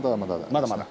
まだまだ。